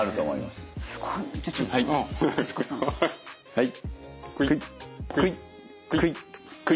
はい。